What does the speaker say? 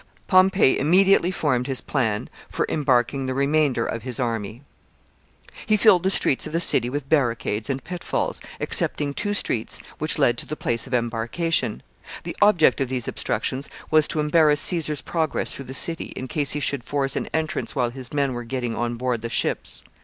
Pompey immediately formed his plan for embarking the remainder of his army. [Sidenote: It is made known to Caesar.] [Sidenote: Success of Pompey's plan.] He filled the streets of the city with barricades and pitfalls, excepting two streets which led to the place of embarkation. The object of these obstructions was to embarrass Caesar's progress through the city in case he should force an entrance while his men were getting on board the ships.